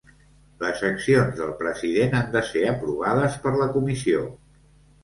Les accions del president han de ser aprovades per la Comissió.